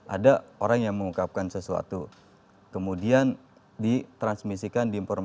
ada orang yang mengungkapkan sesuatu kemudian ditransmisikan